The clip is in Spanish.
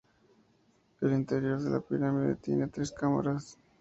El interior de la pirámide tiene tres cámaras.